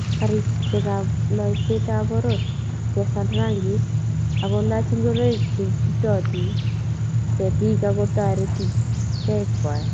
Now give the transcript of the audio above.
Garisyekab loiseetab poror kesal rangiik ak kolach ingoroiik cheititotiin ketiik ako taretiik kwai.